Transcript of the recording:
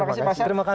terima kasih pak sam